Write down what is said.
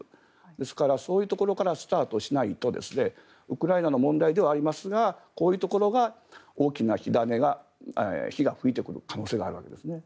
ですからそういうところからスタートしないとウクライナの問題ではありますがこういうところが大きな火が吹いてくる可能性があるわけです。